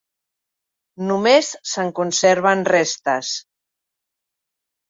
Només se'n conserven restes.